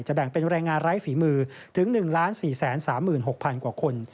แบ่งเป็นแรงงานไร้ฝีมือถึง๑๔๓๖๐๐๐กว่าคน